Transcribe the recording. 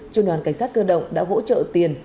trung đoàn cảnh sát cơ động đã hỗ trợ tiền